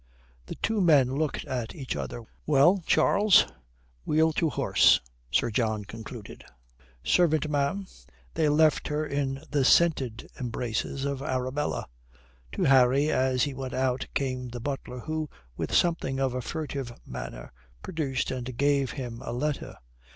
The two men looked at each other. "Well, Charles, we'll to horse," Sir John concluded. "Servant, ma'am." They left her in the scented embraces of Arabella. To Harry as he went out came the butler, who, with something of a furtive manner, produced and gave him a letter.